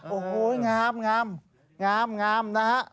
โอ้โหงามนะฮะ